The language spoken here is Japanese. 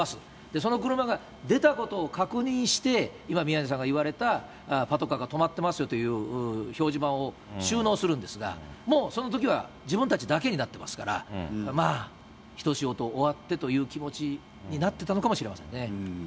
その車が出たことを確認して、今、宮根さんが言われた、パトカーが止まってますよという表示板を収納するんですが、もう、そのときは自分たちだけになってますから、まあ、一仕事終わってという気持ちになってたのかもしれませんね。